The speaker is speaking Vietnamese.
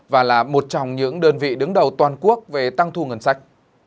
và là một trong những đơn vị đứng đầu toàn quốc về tăng thu ngân sách